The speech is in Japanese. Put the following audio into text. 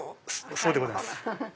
そうでございます。